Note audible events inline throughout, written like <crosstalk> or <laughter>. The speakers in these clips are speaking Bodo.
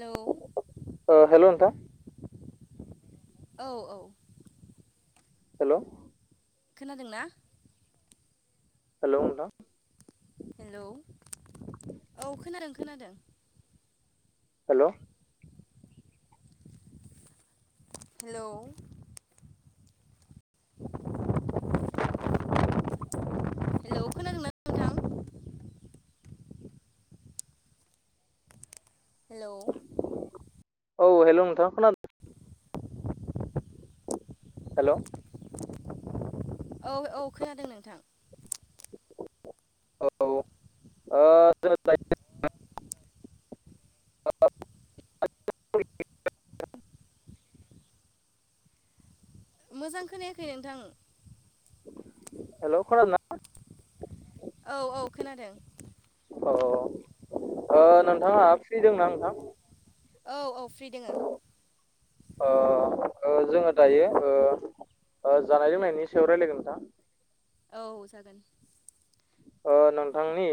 हेलौ ओ हेल' नोंथां औ औ हेल' खोनादोंना? हेल' नोंथां हेलौ औ खोनादों खोनादों। हेल' हेलौ हेलौ खोनादोंना नोंथां? हेलौ औ औ हेल' नोथां खोना हेल' औ औ खोनादों नोंथां। औ ओ जों दायो <unintelligible> मोजां खोनायाखै नोंथां? हेल' खोनादोंं ना? औ औ खोनादों। अ नोंथाङा फ्रि दंना नोंथां? औ औ फ्रि दङ। ओ जोङो दायो जानाय लोंनायनि सायाव रायलायगोन नोंथां। औ जागोन। नोंथांनि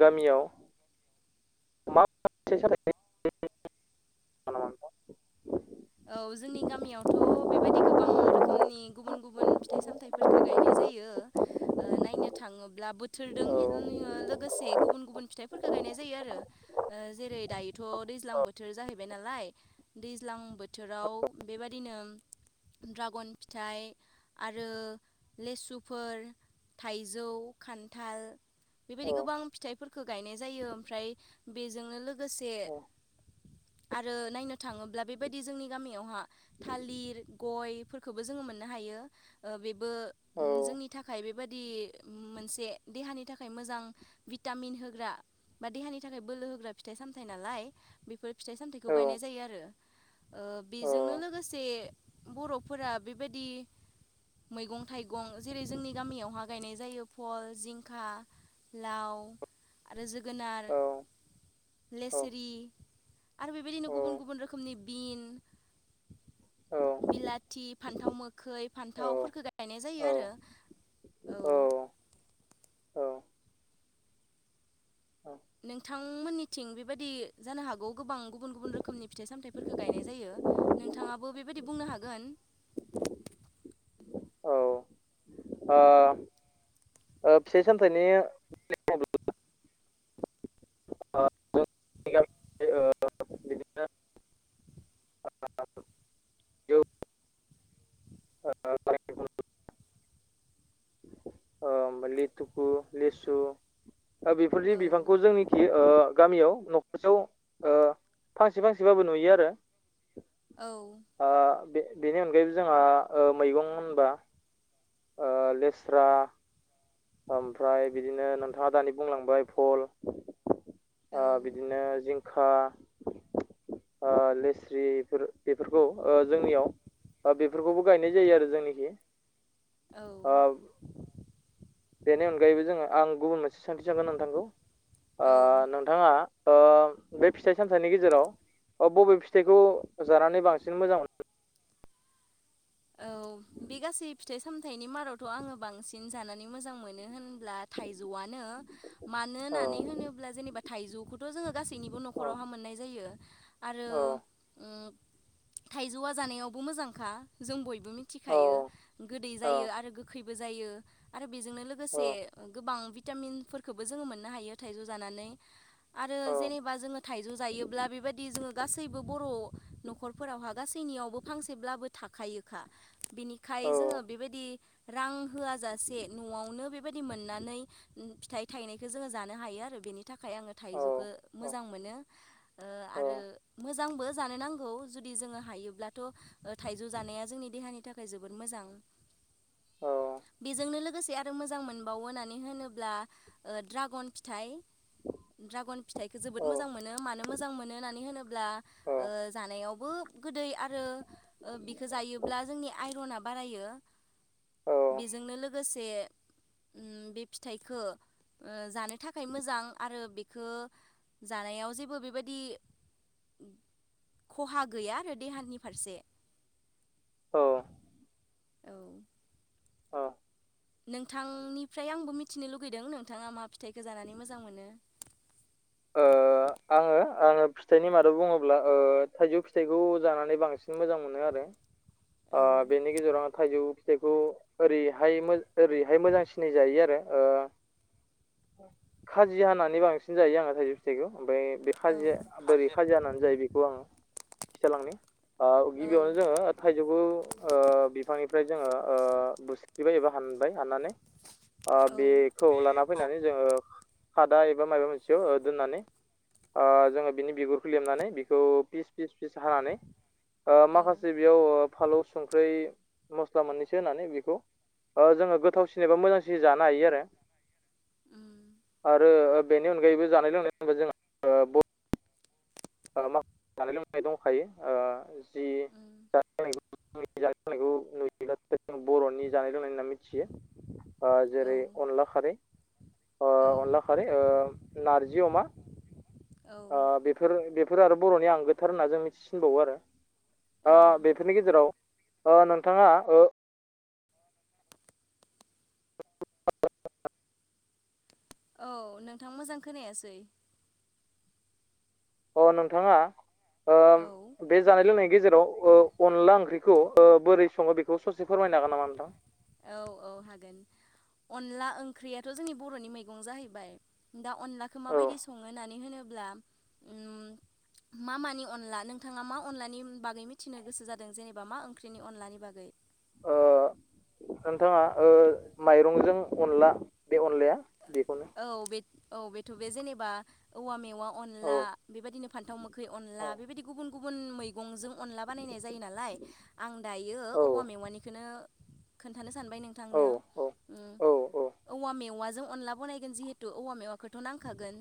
गामियाव <unintelligible> औ जोंनि गामियावथ' बेबायदि गोबां रोखोमनि गुबुन गुबुन फिथाइ सामथाइफोरखौ गायनाय जायो। नायनो थाङोब्ला बोथोरजों औ लोगोसे गुबुन गुबुन फिथाइफोरखौ गायनाय जायो आरो। रो ओ जेरै- दायोथ' दैज्लां बोथोर जाहैबाय नालाय दैज्लां बो थोराव बेबादिनो द्रागन फिथाइ आरो लेसुफोर थाइजौ खान्थाल बेबायदि औ गोबां फिथाइफोरखौ गायनाय जायो ओमफ्राय बेजोंनो लो गोसे औ आरो नायनो थाङोब्ला बे बाद दि जोंनि गामियावहा थालिर गयफोरखौबो जोङो मोननो हायो ओ बेबो औ ओम जोंनि थाखाय बेबादि मोनसे देहानि थाखाय मोजां भिटामिन होग्रा बा देहानि थाखाय बोलो होग्रा फिथाइ सामथाइ नालाय बेफोर फिथाइ सामथाइखौ औ गायनाय जायो आरो ओ बेजोंनो लोगोसे बर'फोरा बेबायदि मैगं थाइगं जेरै- जोंनि गामियावहाय गायनाय जायो फल जिंखा लाव आरो जो गोनार औ औ लेसिरि आरो बेबायदिनो गुबुन गुबुन रोखोमनि बिन औ बिलाथि फान्थाव मोखै औ फान्थावफोरखौ गायनाय जायो औ आरो औ औ नोंथांमोननिथिं बेबायदि जानो हागौ गोबां गुबुन गुबुन रोखोमनि फिथाइ सामथाइफोरखौ गायनाय जायो। नोंथाङाबो बेबायदि बुंनो हागोन औ ओ ओ फिथाइ सामथायनि बिदिनो जौ लिथुखु लिसु दा बेफोरनि औ बिफांखौ जोंनिखि ओ गामियाव न'खरसेयाव ओ फांसे फांसेबाबो नुयो आरो औ बे-बेनि अनगायैबो जोंहा ओ मैगं होनबा ओ लेस्रा आम फ्राय बिदिनो नोंथाङा दानि बुंलांबाय फल औ ओ बिदिनो जिंखा ओ लेस्रिफोर बेफोरखौ ओ जोंनियाव ओ बेफोरखौबो गायनाय जायो आरो जोंनिखै औ ओ बेनि अनगायैबो जोङो आं गुबुन मोनसे सोंथि सानगोन नोंथांखौ ओ औ नोंथाङा ओ बे फिथाइ सामथाइनि गेजेराव अ बबे फिथाइखौ जानानै बांसिन मोजां मोनो। औ बे गासै फिथाइ सामथाइनि मादावथ' आङो बांसिन जानानै मोजां मोनो होनब्ला थाइजौआनो मानो होननानै औ होनोब्ला जेनेबा थाइजौखौथ' जोङो गासैनिबो न'खरावहाय मोननाय जायो आरो औ ओम थाइजौआ जानायावबो मोजांखा जों बय बो औ मिथिखायो गोदै औ जायो आरो गोखैबो जायो आरो बेजोंनो औ लोगोसे ओ गोबां भिटामिनफोरखोबो जोङो मोननो हायो थाइजौ जानानै आरो औ जेनेबा जोङो थाइजौ जायोब्ला बेबादि जोङो गासैबो बर' न'खरफोरावहा गासैनियावबो फांसेब्लाबो थाखायोखा बिनिखाय औ जोङो बेबादि रां होआ जासे न'आवनो बेबायदि मोननानै उम फिथाइ थायनायखौ जोङो जानो हायो आरो बेनि थाखाय आङो औ थाइजौख मोजां मोनो ओ औ आरो मोजांबो जानो नां गौ जुदि जोङो हायोब्लाथ' ओ थाइजौ जानाया जोंनि देहानि थाखाय जोबोद मोजां। औ। बेजोंनो लोगोसे आरो मोजां मोनबावो होननानै होनोब्ला ओ ड्रागन फिथाइ ड्रागन फिथाइखो जोबोद मोजां मोनो मानो मोजां मोनो होननानै होनोब्ला औ ओ जानायावबो गोदै आरो ओ बिखो जायोब्ला जोंनि आइरना बारायो। बेजोंनो लोगोसे उम बे फिथाइखो ओ जानो थाखाय मोजां आरो बेखो जानायाव जेबो बेबादि <inaudible> खहा गैयारो देहानि फारसे। औ। औ। अ। नोंथांनिफ्राय आंबो मिथिनो लुगैदों नोंथाङा मा फिथाइखौ जानानै मोजां मोनो? ओ आंङो आं ओ फिथाइनि मादाव बुङोब्ला ओ थाइजौ फिथाइखौ जानानै बांसिन मोजां मोनो आरो। अ औ बेनि गेजेराव आङो थाइजौ इखौ ओरैहाय मोज-ओरैहाय मोजां सिनायजायो आरो ओ खाजि हानानै बांसिन जायो आंङो थाइजौ फिथाइखौ। ओमफाय बे औ खाजि बोरै खाजि हानानै जायो बेखौ आं। फिथालांनि ओ औ गिबियावनो जोङो थाइजौ ओ बिफांनि फ्राय जोङो ओ बुस्रिबाय एबा हानबाय हाननानै आ बेखौ लाना औ फैनानै जोङो खादा एबा माबा मोनसेयाव ओ दोननानै ओ जोङो बिनि बिगुरखौ लेमनानै बेखौ पिस पिस पिस हानानै ओ औ माखासे बेयाव फालौ संख्रै मस्ला मोननैसो होननानै बेखौ ओ जोङो गोथावसिन एबा मोजांसिन जानो हायो आरो। उम आरो ओ बेनि अनगायैबो जानाय लोंनाय होन <unintelligible> ओ ब अ मा जानाय लोंनाय दंखायो ओ जि उम <unintelligible> बरनि जानाय लोंनाय होनना मिथियो। ओ औ जेरै अनला खारै ओ औ अनला खारै ओ नारजि अमा औ ओ बेफोर-बेफोर आरो बर'नि आंगोथार होनना जों मिथिसिनबावो आरो। औ ओ बेफोरनि गेजेराव ओ नोंथाङा ओ औ नोंथां मोजां खोनायासै। अ नोंथाङा ओ औ बे जानाय लोंनायनि गेजेराव ओ अनला ओंख्रि खौ ओ बोरै सङो बेखौ ससे फोरमायनो हागोन नामा नोथां? औ औ हागोन। अनला ओंख्रियाथ' जोंनि बर'नि मैगं जाहैबाय दा अनलाखौ औ माबायदि सङो होननानै होनो ब्ला <inaudible> मा मानि अनला? नोंथाङा मा अनलानि उम बागै मिथिनो गोसो जादों जेनेबा मा ओंख्रिनि अनलानि बागै? ओ नोंथांङा ओ माइरंजों अनला बे अनलाया बेखौनो औ बेद औ बेथ' बे जेनेबा औवा मे वा औ अनला बे बादिनो फान्थाव मोखै औ अनला बेबादि गुबन गुबुन मैगंजों अनला बानायनाय जायो नालाय आं दायो औवा औ मेवानिखोनो खोन्थानो सानबाय औ नोंथांनो। औ ओम औ औ औवा मेवाजों अनला बनाय गोन जिहेतु औवा मेवाखौथ' नांखागोन।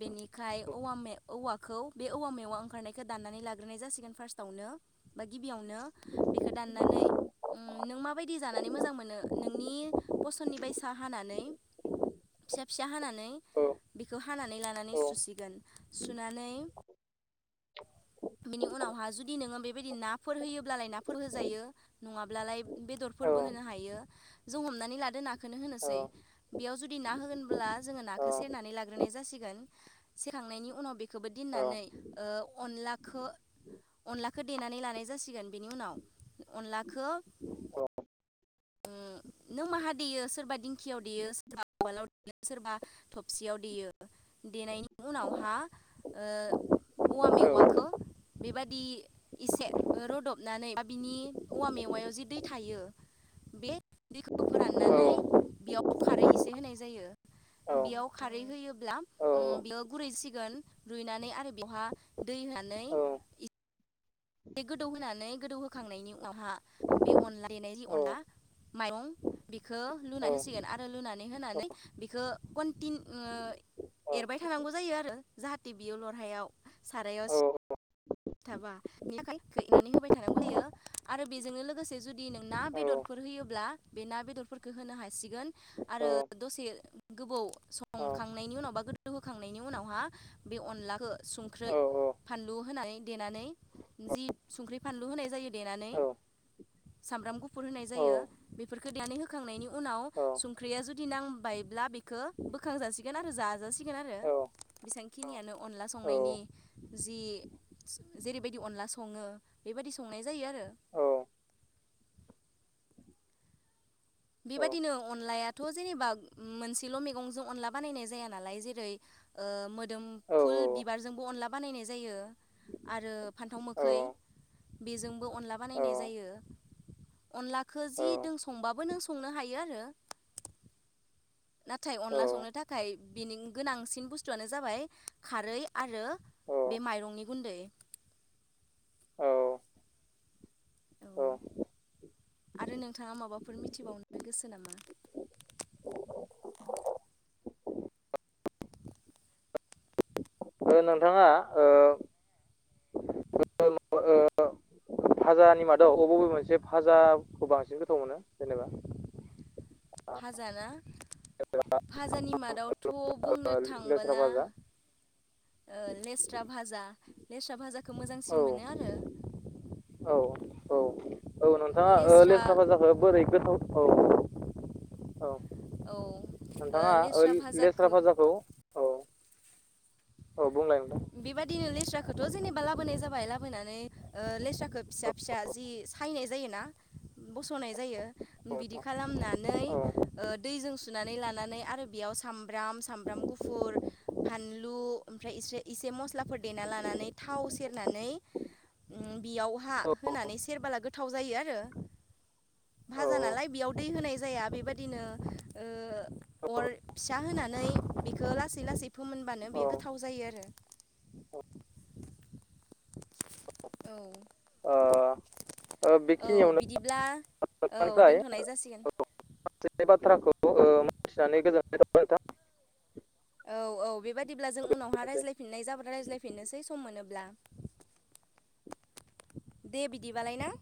बेनिखाय औवा मेव औवाखौ बे औवा मेवा ओंखारनायखौ दाननानै लाग्रोनाय जासिगोन फार्स्टावनो। बा गिबियावनो बेखौ दाननानै ओम नों माबायदि जानानै मोजां मोनो नोंनि फसननि बायसा हानानै फिसा फिसा हानानै औ बेखौ हानानै लानानै औ सुसिगोन, सुनानै <inaudible> बेनि उनावहा जुदि नोङो बेबायदि नाफोर होयोब्लालाय नाफोर होजायो, नङाब्लालाय बेदरफो औ फोरबो होनो हायो। जों हमनानै लादो नाखोनो औ होनोसै बेयाव जुदि ना होगोनब्ला जोङो ना औ खौ सेरनानै लाग्रोनाय जासिगोन सेरखांनायनि उनाव बेखौबो औ दिननानै ओ अनलाखो अनलाखो देनानै लानाय जासिगोन बेनि उनाव। अनलाखो <inaudible> नों माहा देयो सोरबा दिंखियाव देयो, सोरबा उवालाव देयो, सोरबा थबसियाव देयो देनायनि उनावहा ओ औवा मेवाखौ बेबादि एसे रोदबनानै बा बिनि औवा मे वायाव जे दै थायो बे दैखौ फोराननानै बेयाव खारै एसे होनाय जायो बेयाव खारै होयो ब्ला ओम बेयो गुरैसिगोन रुइनानै आरो बेहा दै होनानै बे गोदौ होनानै गोदौ होखांनायनि उनावहा बे अनला देनायनि अनला माइरं बेखौ लुनानै होसिगोन, आरो लुनानै होना नै बेखौ कनटिन ओ एरबाय थानांगौ जायो आरो। जाहाथे बियो लरहायाव सारायाव सिथाबा बिनि थाखाय होबाय थानांगौ जायो आरो बेजोंनो लोगोसे जुदि नों ना औ बेदरफोर होयोब्ला बे ना बेदरफोरखो होनो हासिगोन आरो औ दसे गोबाव संखांनायनि उनाव बा गोदौहोखांनायनि उनावहा बे अनलाखौ संख्रै फानलु होनानै देनानै जि संख्रि फानलु होनाय जायो देनानै सामब्राम गुफुर होनाय जायो बेफोरखौ देनानै होखांनायनि उनाव संख्रिया जुदि नांबाय ब्ला बेखौ बोखांजासिगोन आरो जाजासिगोन आरो। बेसेबांखिनियानो अनला संनायनि जि जेरैबायदि अनला सङो बेबायदि संनाय जायो आरो। <inaudible> बेबादिनो अनलायाथ' जेनेबा मोनसेल' मैगंजों अनला बानायनाय जाया नालाय जेरै ओ मो दोमफुल बिबारजोंबो अनला बानायनाय जायो आरो फान्थाव मोखै बेजोंबो अनला बानायनाय जायो। अनलाखौ जि दों संबाबो नों सं संनो हायो आरो नाथाय अनला संनो थाखाय बेनि गोनांसिन बुस्थुआनो जाबाय खारै आरो बे माइरंनि गुन्दै। औ औ आरो नोंथाङा माबाफोर मिथिबावनो गोसो नामा? नोंथाङा ओ भाजानि मादाव अबे बबे मोनसे भाजाखौ बांसिन गोथाव मोनो जेनेबा? <inaudible> भाजाना फाजानि मादावथ' बुंनो लेस्रा थांबोला भाजा ओ लेस्रा भाजा, लेस्रा भाजा खौ औ मोजांसिन मोनो आरो औ औ औ नोंथाङा ओ लेस्रा भाजाखौ बोरै गोथाव औ औ औ ओ नोंथाङा लेस्रा लेस्रा भाजाखौ फाजाखौ औ औ बुंलाय नोंथां बेबायादिनो लेस्राखौथ' जेनेबा लाबोनाय जाबाय लाबोनानै ओ लेस्राखो फिसा फिसा जि सायनाय जायोना बस'नाय जायो बिदि औ खालामनानै औ ओ दैजों सुनानै लानानै आरो बेयाव सामब्राम सामब्राम गुफुर फान लु ओमफ्राय इसे मस्लाफोर देना लानानै थाव सेरनानै उम बेयावहा होनानै सेरबोला गोथाव जायो आरो भाजा औ नालाय बेयाव दै होनाय जाया बेबायदिनो ओ अर फिसा होनानै बेखौ लासै लासै फोमोनबानो औ बे गोथाव जायो आरो औ ओ ओ औ बेखि नियावनो बिदिब्ला <unintelligible> औ फ्राय दोनथ'नाय जासिगोन मोनसे बाथ्राखौ ओ मोन्थि नानै गोजोननाय थाबाय नोंथां। औ औ बेबाय दिब्ला जों उनावहा नोंथां रायज्लाय फिननाय जाबा रायज्लाय फिननोसै सम मोनोब्ला। दे बिदि बालाय ना?